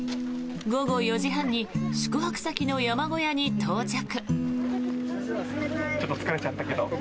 午後４時半に宿泊先の山小屋に到着。